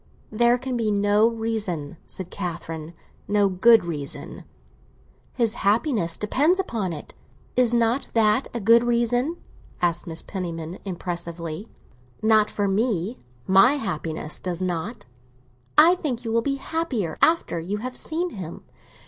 "There can be no reason," said Catherine; "no good reason." "His happiness depends upon it. Is not that a good reason?" asked Mrs. Penniman impressively. "Not for me. My happiness does not." "I think you will be happier after you have seen him.